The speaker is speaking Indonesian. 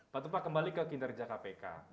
pak tupa kembali ke kinerja kpk